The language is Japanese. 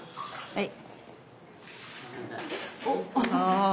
はい。